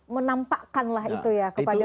menampakkanlah itu ya kepada